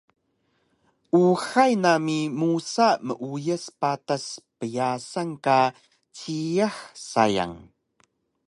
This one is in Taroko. Uxay nami musa meuyas patas pyasan ka jiyax sayang